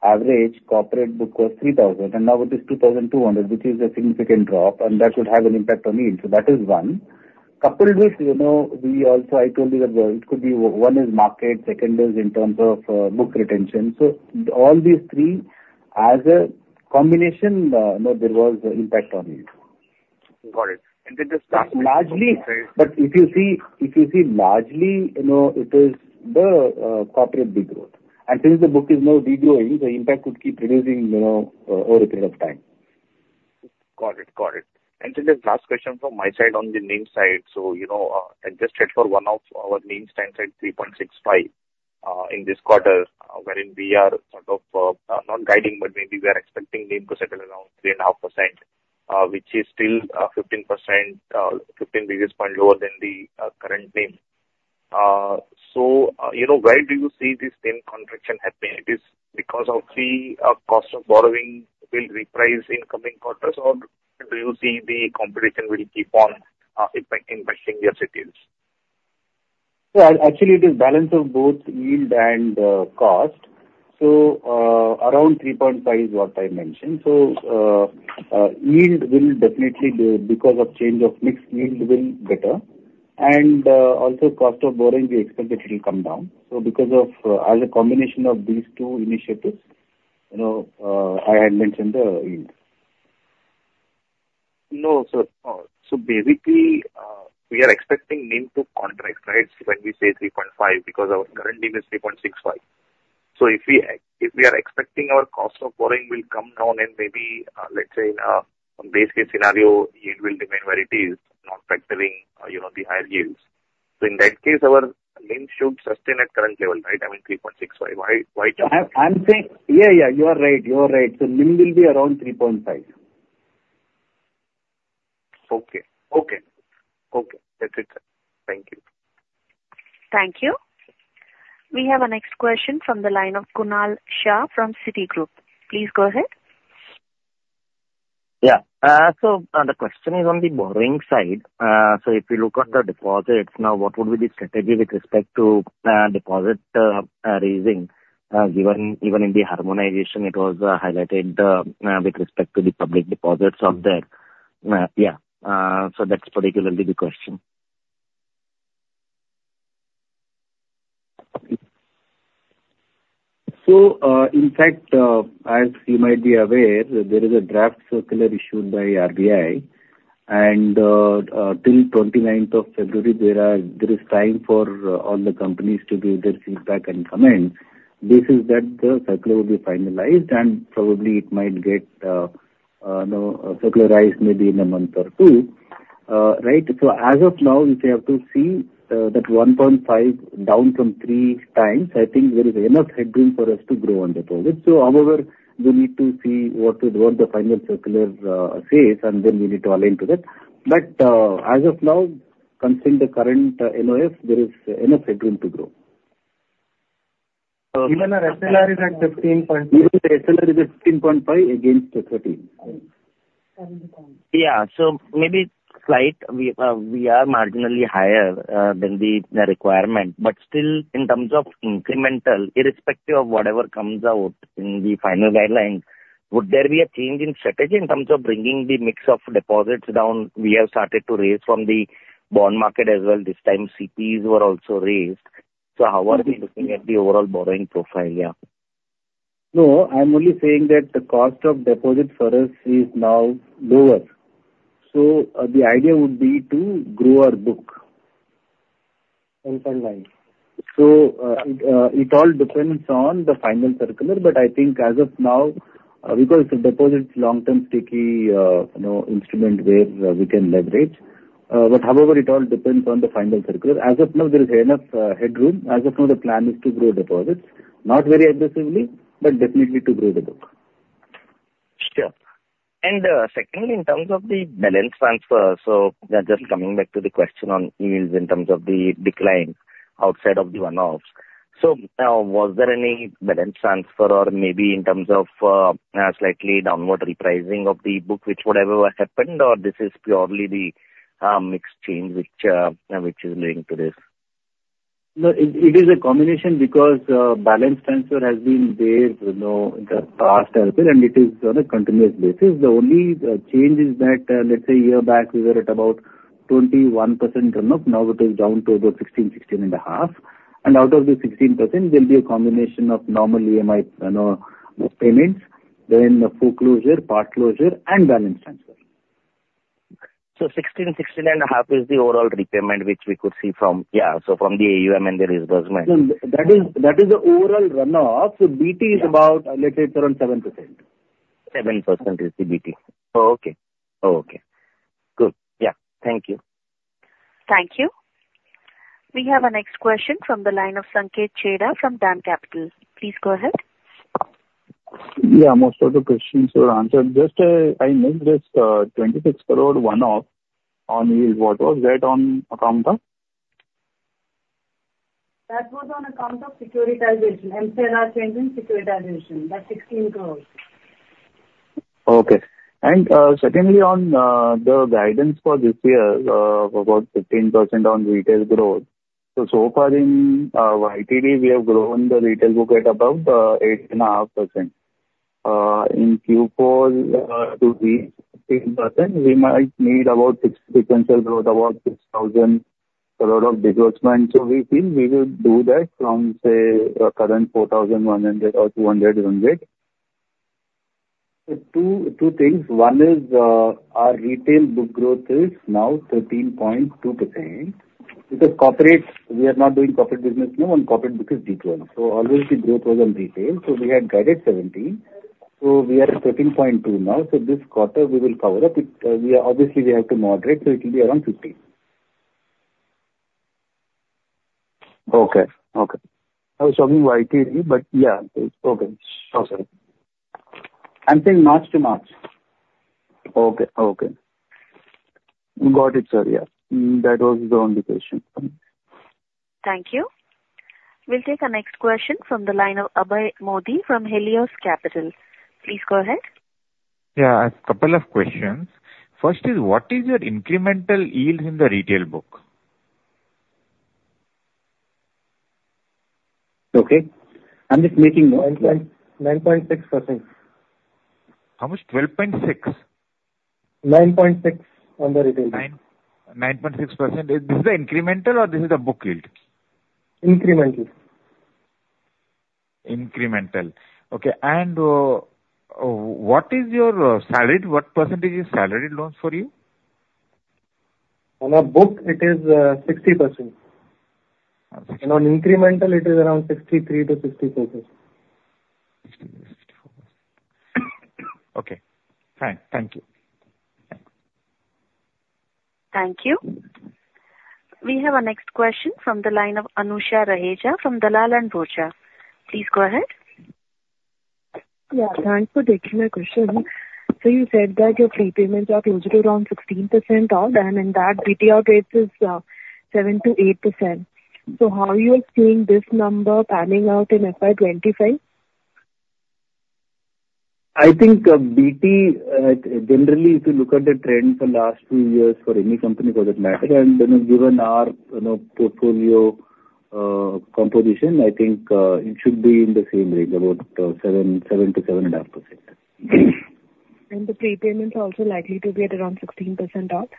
average corporate book was 3,000 crore, and now it is 2,200 crore, which is a significant drop, and that would have an impact on yield. So that is one. Coupled with, we also, I told you that, it could be one is market, second is in terms of, book retention. So all these three as a combination, there was impact on it. Got it. Then the last. Largely, but if you see, if you see largely, you know, it is the corporate de-growth. Since the book is now de-growing, the impact would keep reducing, you know, over a period of time. Got it. Got it. This last question from my side on the NIM side. So, you know, I just checked for one of our NIM stands at 3.65% in this quarter, wherein we are sort of not guiding, but maybe we are expecting NIM to settle around 3.5%, which is still 15%, 15 basis point lower than the current NIM. Why do you see this NIM contraction happening? It is because of the cost of borrowing will reprice in coming quarters, or do you see the competition will keep on impacting banking as it is? Actually, it is balance of both yield and cost. So, around 3.5% is what I mentioned. So, yield will definitely do because of change of mix, yield will better. And, also cost of borrowing, we expect that it will come down. So because of, as a combination of these two initiatives, you know, I had mentioned the yield. No, sir. So basically, we are expecting NIM to contract, right? When we say 3.5%, because our current NIM is 3.65%. So if we are expecting our cost of borrowing will come down and maybe, let's say in a base case scenario, it will remain where it is, not factoring, you know, the higher yields. So in that case, our NIM should sustain at current level, right? I mean, 3.65%. Why, why? Yeah, You are right. You are right. So NIM will be around 3.5%. Okay. Okay. Okay, that's it then. Thank you. Thank you. We have our next question from the line of Kunal Shah from Citigroup. Please go ahead. The question is on the borrowing side. If you look at the deposits now, what would be the strategy with respect to deposit raising, given even in the harmonization it was highlighted with respect to the public deposits of that? Yeah. So that's particularly the question. In fact, as you might be aware, there is a draft circular issued by RBI, and, till 29th of February, there is time for all the companies to give their feedback and comment. This is that the circular will be finalized, and probably it might get, circularized maybe in a month or two, right? So as of now, we have to see that 1.5 down from 3x. I think there is enough headroom for us to grow on deposits. However, we need to see what the final circular says, and then we need to align to that. But, as of now, considering the current NOF, there is enough headroom to grow. Even our SLR is at 15.5. Even the SLR is at 15.5 against 30. Maybe slight, we, we are marginally higher than the requirement. But still, in terms of incremental, irrespective of whatever comes out in the final guidelines, would there be a change in strategy in terms of bringing the mix of deposits down? We have started to raise from the bond market as well. This time CPs were also raised. How are we looking at the overall borrowing profile? No, I'm only saying that the cost of deposits for us is now lower, so, the idea would be to grow our book. Until when? It all depends on the final circular, but I think as of now, because the deposit is long-term sticky, you know, instrument where we can leverage. However, it all depends on the final circular. As of now, there is enough headroom. As of now, the plan is to grow deposits. Not very aggressively, but definitely to grow the book. Sure. Secondly, in terms of the balance transfer, so just coming back to the question on yields in terms of the decline outside of the one-offs. Was there any balance transfer or maybe in terms of, slightly downward repricing of the book, which would have happened? Or this is purely the mix change, which is leading to this? No, it is a combination because balance transfer has been there, you know, in the past as well, and it is on a continuous basis. The only change is that, let's say a year back, we were at about 21% run off, now it is down to about 16%-16.5%. And out of the 16%, there'll be a combination of normal EMI, you know, payments, then foreclosure, part closure and balance transfer. 16%-16.5% is the overall repayment, which we could see from, from the AUM and the disbursement? No, that is, that is the overall run off. BT is about, let's say around 7%. 7% is the BT. Okay. Okay. Good. Yeah. Thank you. Thank you. We have our next question from the line of Sanket Chheda from DAM Capital. Please go ahead. Yeah, most of the questions were answered. Just, I missed this 26 crore one-off on yield. What was that on account of? That was on account of securitization and sales change in securitization, that's INR 16 crore. Okay. Secondly, on the guidance for this year, about 15% on retail growth. So, so far in YTD, we have grown the retail book at about 8.5%. In Q4, to reach 15%, we might need about 6% potential growth, about 6,000 crore of disbursement. We feel we will do that from, say, our current 4,100 or 4,200. Two, two things. One is, our retail book growth is now 13.2%. Because corporate, we are not doing corporate business now, and corporate book is declining. So all the growth was on retail, so we had guided 17. So we are at 13.2% now, so this quarter we will cover up. It, we obviously have to moderate, so it will be around 15%. Okay. Okay. I was talking YTD, but yeah, it's okay. Awesome. I'm saying March to March. Okay. Okay. Got it, sir. That was the only question. Thank you. We'll take our next question from the line of Abhay Modi from Helios Capital. Please go ahead. A couple of questions. First is, what is your incremental yield in the retail book? Okay. I'm just making 9.96%. How much? 12.6%? 9.6% on the retail book. 9.6%. Is this the incremental or this is the book yield? Incremental. Incremental. Okay, and, what is your, salary? What percentage is salaried loans for you? On our book, it is 60%. On incremental, it is around 63%-64%. Okay. Thank you. Thank you. We have our next question from the line of Anusha Raheja from Dalal & Broacha. Please go ahead. Thanks for taking my question. You said that your prepayments are close around 16% down, and in that, BT outreach is 7% to 8%. So how are you seeing this number panning out in FY 2025? I think, BT, generally, if you look at the trend for last two years, for any company for that matter, and then given our, you know, portfolio composition, I think, it should be in the same range, about 7%-7.7%. The prepayments are also likely to be at around 16% up?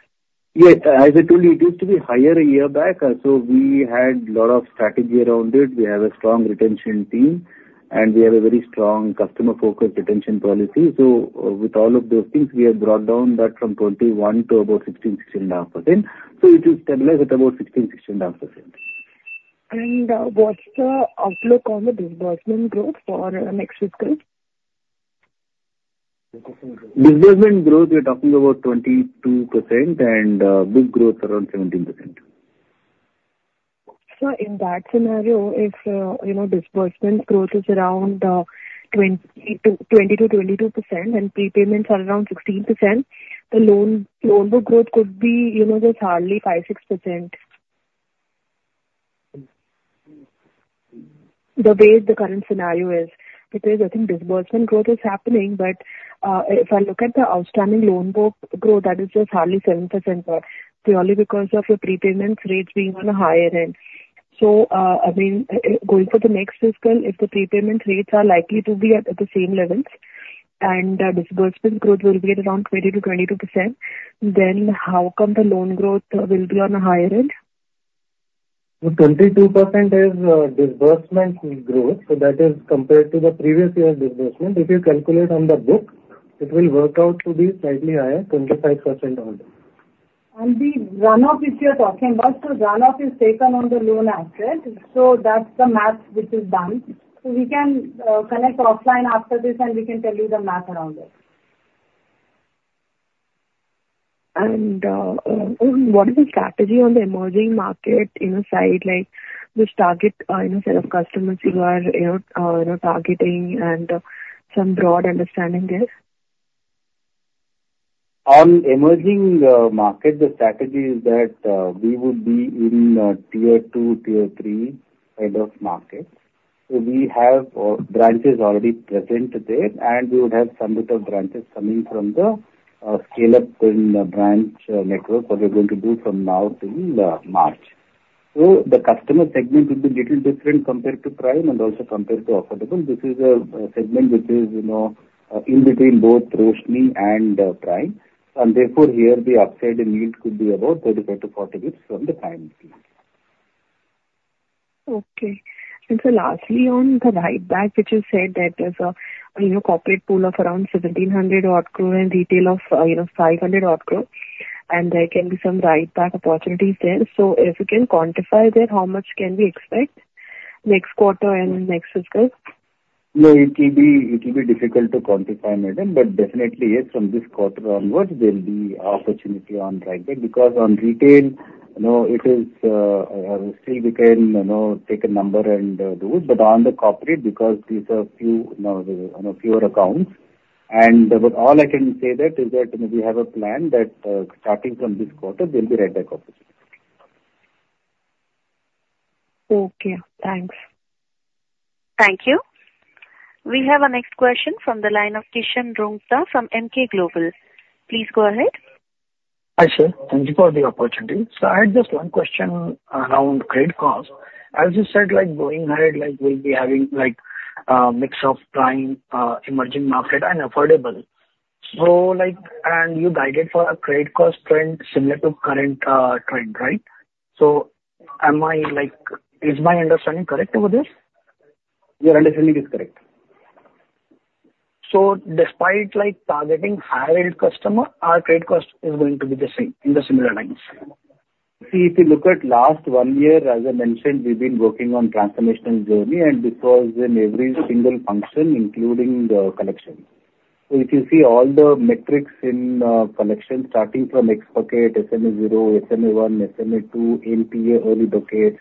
Yes. As I told you, it used to be higher a year back. So we had lot of strategy around it. We have a strong retention team, and we have a very strong customer-focused retention policy. So with all of those things, we have brought down that from 21% to about 16%-16.5%. So it is stabilized at about 16%-16.5%. What's the outlook on the disbursement growth for next fiscal? Disbursement growth, we are talking about 22% and, book growth around 17%. In that scenario, if you know, disbursement growth is around 20%-22% and prepayments are around 16%, the loan book growth could be you know, just hardly 5%-6%. The way the current scenario is, because I think disbursement growth is happening, but if I look at the outstanding loan book growth, that is just hardly 7%, purely because of the prepayments rates being on a higher end. So I mean, going for the next fiscal, if the prepayment rates are likely to be at the same levels, and the disbursement growth will be at around 20%-22%, then how come the loan growth will be on a higher end? The 22% is disbursement growth, so that is compared to the previous year's disbursement. If you calculate on the book, it will work out to be slightly higher, 25% only. The run-off which you're talking about, the run-off is taken on the loan asset, so that's the math which is done. We can, connect offline after this, and we can tell you the math around it. What is the strategy on the Emerging Markets, you know, side, like which target, you know, set of customers you are, targeting and some broad understanding there? On Emerging Markets, the strategy is that we would be in Tier 2, Tier 3 type of markets. We have branches already present there, and we would have some of the branches coming from the scale-up in the branch network that we're going to do from now till March. The customer segment will be little different compared to Prime and also compared to Affordable. This is a segment which is, you know, in between both Roshni and Prime, and therefore, here the upside in yield could be about 35-40 bps from the Prime scheme. Okay. And so lastly, on the write-back, which you said that there's a, corporate pool of around 1,700 crore and retail of, you know, 500 crore, and there can be some write-back opportunities there. So if you can quantify that, how much can we expect next quarter and next fiscal? No, it will be, it will be difficult to quantify, madam, but definitely, yes, from this quarter onwards, there will be opportunity on write-back, because on retail, you know, it is, still we can, take a number and do it, but on the corporate, because these are few, you know, fewer accounts. All I can say that is that we have a plan that, starting from this quarter, there will be write-back opportunity. Okay, thanks. Thank you. We have our next question from the line of Kishan Rungta from Emkay Global. Please go ahead. Hi, sir. Thank you for the opportunity. So I had just one question around credit cost. As you said, like, going ahead, like, we'll be having, like, a mix of Prime, Emerging Markets and Affordable. So, like, and you guided for a credit cost trend similar to current trend, right? Am I, like, Is my understanding correct about this? Your understanding is correct. Despite, like, targeting higher-end customer, our credit cost is going to be the same, in the similar lines? If you look at last one year, as I mentioned, we've been working on transformational journey, and this was in every single function, including the collection. If you see all the metrics in collection starting from X bucket, SMA 1, SMA 2, NPA, early buckets,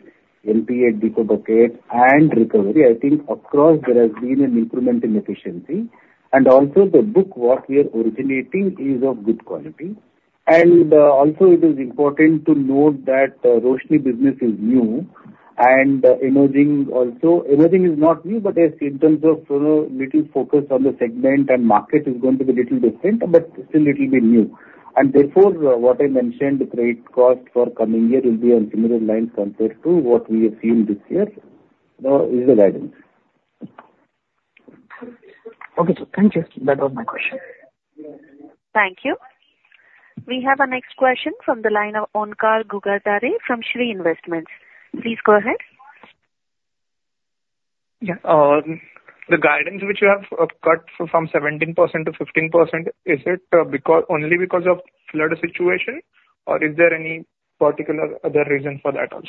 NPA, tech write-off buckets and recovery, I think across there has been an improvement in efficiency. Also the book, what we are originating is of good quality. Also it is important to note that Roshni business is new and emerging also. Emerging is not new, but as in terms of, you know, little focus on the segment and market is going to be little different, but still it will be new. And therefore, what I mentioned, the credit cost for coming year will be on similar lines compared to what we have seen this year is the guidance. Okay, sir. Thank you. That was my question. Thank you. We have our next question from the line of Omkar Ghugardare from Shree Investments. Please go ahead. The guidance which you have cut from 17% to 15%, is it only because of flood situation, or is there any particular other reason for that also?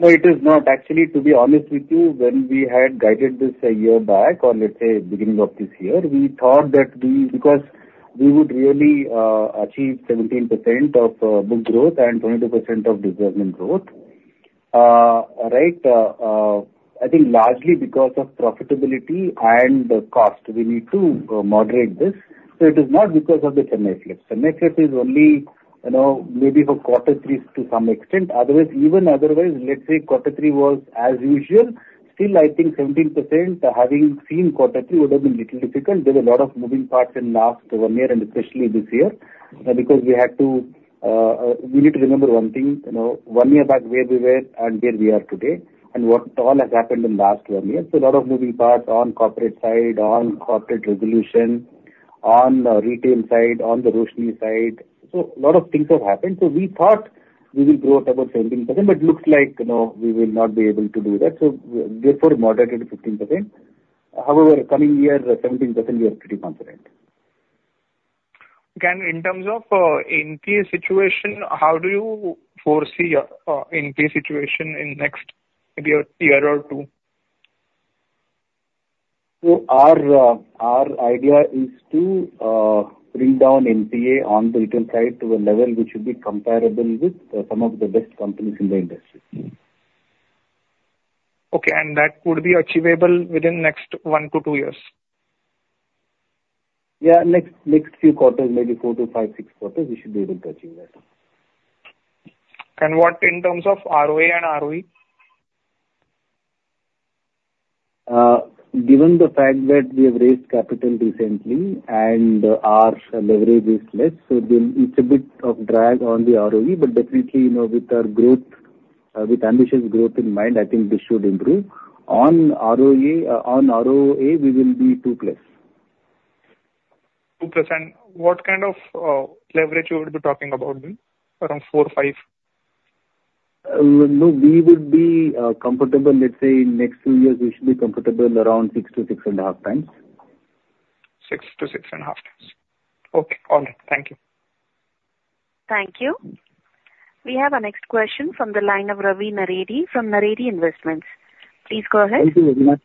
No, it is not. Actually, to be honest with you, when we had guided this a year back, or let's say beginning of this year, we thought that we, because we would really achieve 17% of book growth and 22% of disbursement growth, right, I think largely because of profitability and the cost, we need to moderate this. It is not because of the Chennai Floods. Chennai Floods is only, maybe for quarter three to some extent. Otherwise, even otherwise, let's say quarter three was as usual, still, I think 17%, having seen quarter three, would have been little difficult. There's a lot of moving parts in last one year and especially this year, because we had to, we need to remember one thing, one year back where we were and where we are today, and what all has happened in last one year. So a lot of moving parts on corporate side, on corporate resolution, on the retail side, on the Roshni side, so a lot of things have happened. So we thought we will grow at about 17%, but looks like, you know, we will not be able to do that, so, therefore moderated to 15%. However, coming year, 17%, we are pretty confident. Can, in terms of NPA situation, how do you foresee NPA situation in next, maybe a year or two? Our idea is to bring down NPA on the retail side to a level which should be comparable with some of the best companies in the industry. Okay, and that would be achievable within next one-two years? Yeah, next, next few quarters, maybe four-five, six quarters, we should be able to achieve that. What in terms of ROA and ROE? Given the fact that we have raised capital recently and our leverage is less, so there it's a bit of drag on the ROE, but definitely, you know, with our growth, with ambitious growth in mind, I think this should improve. On ROA, on ROA, we will be 2+. 2%, and what kind of leverage you would be talking about then? Around four-five? No, we would be comfortable, let's say, in next two years, we should be comfortable around 6-6.5x. 6-6.5x. Okay, all right. Thank you. Thank you. We have our next question from the line of Ravi Naredi, from Naredi Investments. Please go ahead. Thank you very much.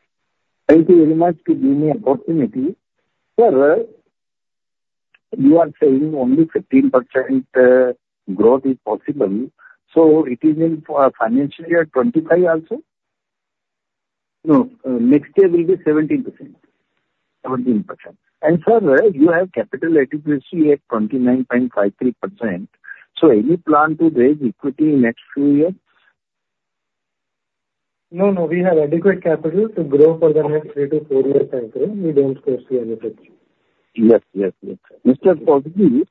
Thank you very much for giving me opportunity. Sir, you are saying only 15%, growth is possible, so it is in for our financial year 2025 also? No, next year will be 17%. 17%. Sir, you have capital adequacy at 29.53%. Any plan to raise equity in next few years? No, no, we have adequate capital to grow for the next three-four years time frame. We don't foresee anything. Mr. Kousgi,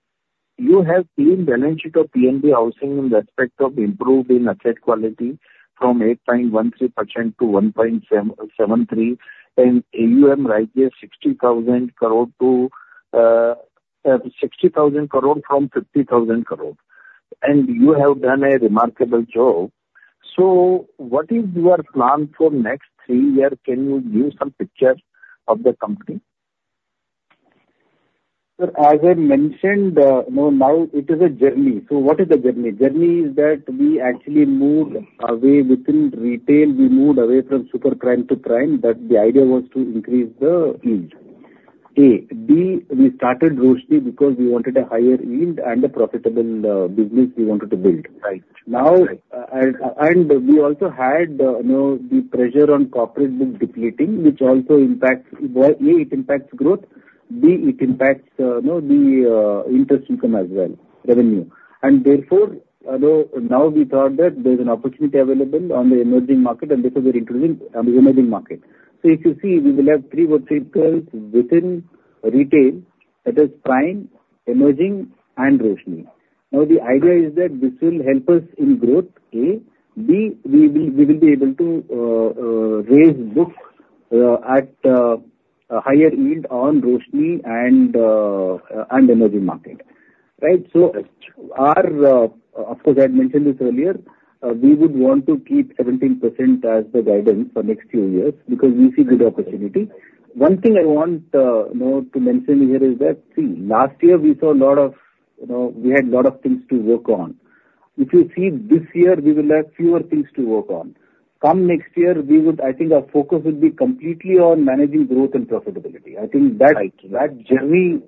you have clean balance sheet of PNB Housing in respect of improved in asset quality from 8.13% to 1.73%, and you have reached 60,000 crore to 60,000 crore from 50,000 crore, and you have done a remarkable job. What is your plan for next three years? Can you give some picture of the company? Sir, as I mentioned, you know, now it is a journey. So what is the journey? Journey is that we actually moved away within retail, we moved away from Super Prime to Prime, but the idea was to increase the yield, A. B, we started Roshni because we wanted a higher yield and a profitable, business we wanted to build. Right. Now, and we also had, you know, the pressure on corporate book depleting, which also impacts—well, A, it impacts growth, B, it impacts, you know, the interest income as well, revenue. Therefore, although now we thought that there is an opportunity available on the Emerging Market, and this is where increasing on the Emerging Market. So if you see, we will have three vertical within retail, that is Prime, Emerging, and Roshni. Now, the idea is that this will help us in growth, A. B, we will, we will be able to raise books at a higher yield on Roshni and Emerging Market, right? Our, of course, I had mentioned this earlier, we would want to keep 17% as the guidance for next few years because we see good opportunity. One thing I want, you know, to mention here is that, see, last year we saw a lot of, we had a lot of things to work on. If you see this year, we will have fewer things to work on. Come next year, we would, I think our focus would be completely on managing growth and profitability. I think that. Right. That journey.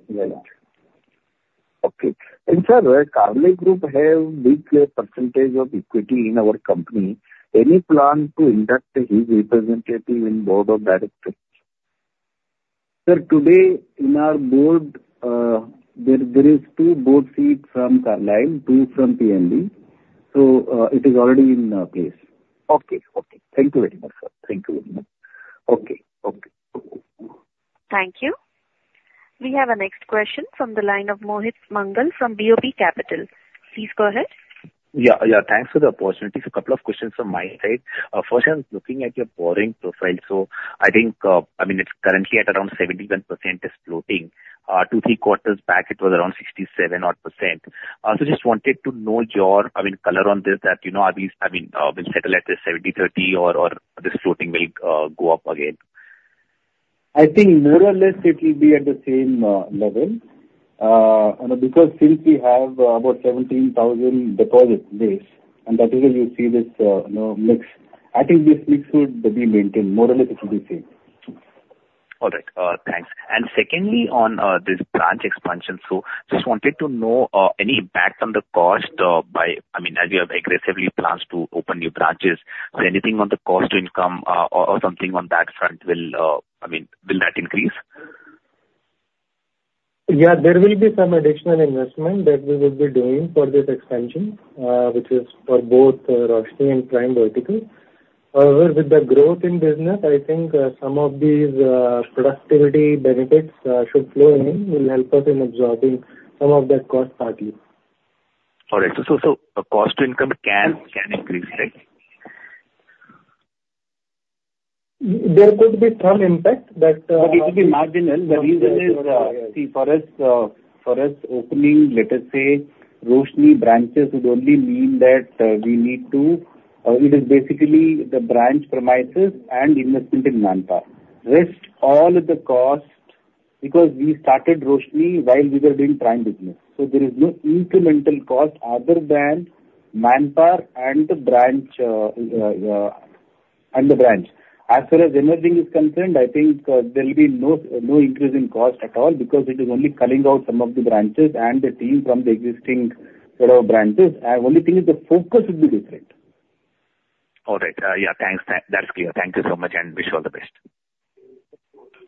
Okay. And sir, as Carlyle Group have big percentage of equity in our company, any plan to induct his representative in board of directors? Sir, today, in our board, there is two board seats from Carlyle, two from PNB, so, it is already in place. Okay. Okay. Thank you very much, sir. Thank you very much. Okay. Okay. Thank you. We have our next question from the line of Mohit Mangal from BOB Capital. Please go ahead. Thanks for the opportunity. A couple of questions from my side. First, I was looking at your borrowing profile, so I think, I mean, it's currently at around 71% is floating. two-three quarters back, it was around odd 67%. So just wanted to know your, I mean, color on this, that, are we, I mean, we settle at this 70/30 or, or this floating will go up again? I think more or less it will be at the same level, you know, because since we have about 17,000 deposit base, and that is where you see this, you know, mix. I think this mix would be maintained. More or less it will be same. All right, thanks. Secondly, on this branch expansion, so just wanted to know any impact on the cost, by, I mean, as you have aggressive plans to open new branches. So anything on the cost to income, or, or something on that front will, I mean, will that increase? There will be some additional investment that we will be doing for this expansion, which is for both Roshni and Prime vertical. However, with the growth in business, I think some of these productivity benefits should flow in, will help us in absorbing some of that cost partly. All right. Cost to income can, can increase, right? There could be some impact that—But *crosstalk* marginal. The reason is, see, for us, opening, let us say, Roshni branches would only mean that, we need to, it is basically the branch premises and investment in manpower. Rest, all of the cost, because we started Roshni while we were doing Prime business, so there is no incremental cost other than manpower and the branch, and the branch. As far as Emerging is concerned, I think, there will be no, no increase in cost at all, because it is only culling out some of the branches and the team from the existing set of branches. Only thing is the focus will be different. All right. Yeah, thanks. That, that's clear. Thank you so much, and wish you all the best.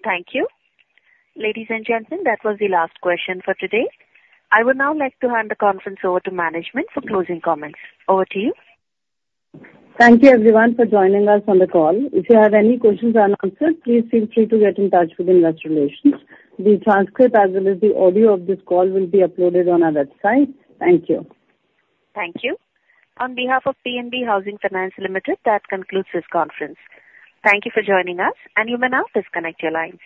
Thank you. Ladies and gentlemen, that was the last question for today. I would now like to hand the conference over to management for closing comments. Over to you. Thank you everyone for joining us on the call. If you have any questions unanswered, please feel free to get in touch with investor relations. The transcript, as well as the audio of this call, will be uploaded on our website. Thank you. Thank you. On behalf of PNB Housing Finance Limited, that concludes this conference. Thank you for joining us, and you may now disconnect your lines.